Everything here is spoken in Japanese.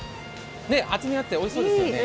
厚みがあっておいしそうですよね